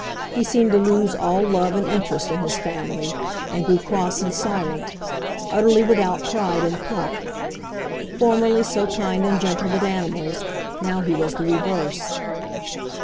He seemed to lose all love and interest in his family, and grew cross and silent, utterly without pride and pluck. Formerly so kind and gentle with animals, now he was the reverse.